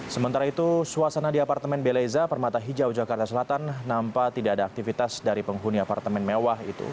sementara itu suasana di apartemen beleza permata hijau jakarta selatan nampak tidak ada aktivitas dari penghuni apartemen mewah itu